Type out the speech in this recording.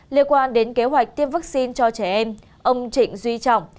liên quan đến kế hoạch tiêm vaccine cho trẻ em ông trịnh duy trọng